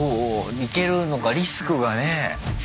行けるのかリスクがね。